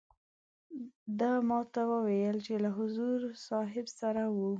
ده ما ته وویل چې له حضور صاحب سره وو.